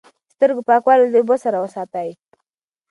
د سترګو پاکوالی د اوبو سره وساتئ.